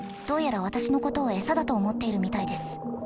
どうやら私のことを餌だと思っているみたいです。